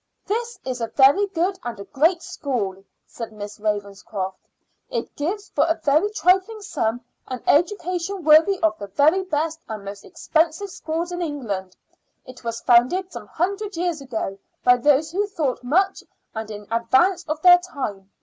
"This is a very good and a great school," said Miss Ravenscroft. "It gives for a very trifling sum an education worthy of the very best and most expensive schools in England. It was founded some hundred years ago, by those who thought much and in advance of their time.